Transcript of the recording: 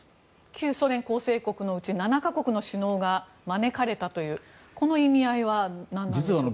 旧ソ連構成国のうち７か国の首脳が招かれたという、この意味合いは何なんでしょうか。